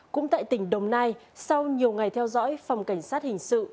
cũng tại tỉnh đồng nai sau nhiều ngày theo dõi phòng cảnh sát hình sự